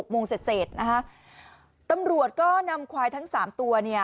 ๖โมงเศษนะคะตำรวจก็นำควายทั้ง๓ตัวเนี่ย